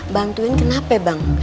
bantuin kenapa bang